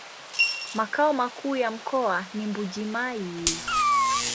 Makao makuu ya mkoa ni Mbuji-Mayi.